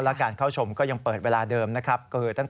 และการเข้าชมก็ยังเปิดเวลาเดิมนะครับ